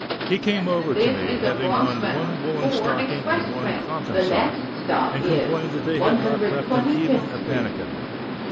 He came over to me, having on one woollen stocking and one cotton sock, and com plained that they had not left him even a pannikin.